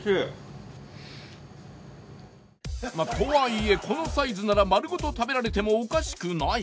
とはいえこのサイズなら丸ごと食べられてもおかしくない。